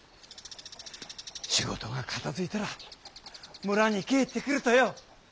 仕事が片づいたら村に帰ってくるとよ。